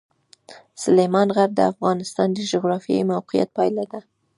سلیمان غر د افغانستان د جغرافیایي موقیعت پایله ده.